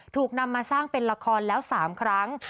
ถูกนำมาสร้างเป็นละครแล้ว๓ครั้ง